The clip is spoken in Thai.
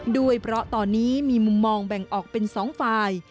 ด้วยเพราะตอนนี้มีมุมมองแบ่งออกเป็น๒ฝ่าย